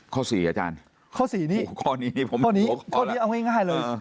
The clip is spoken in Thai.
ข้อ๔อาจารย์ข้อ๔นี้ข้อนี้เอาง่ายเลย